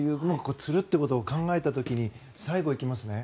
つるということを考えた時に最後、行きますね。